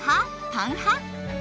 パン派？